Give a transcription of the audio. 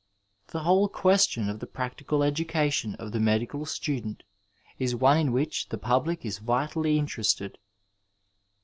The whole question of the practical education of the medical student is one in which the public is vitally interested.